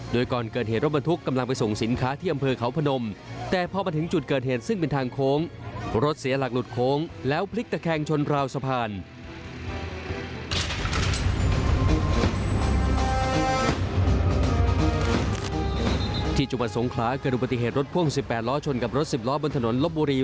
โดยก่อนเกิดเหตุรถบรรทุกกำลังไปส่งสินค้าที่อำเภอเขาพนมแต่พอมาถึงจุดเกิดเหตุซึ่งเป็นทางโค้งรถเสียหลักหลุดโค้งแล้วพลิกตะแคงชนราวสะพาน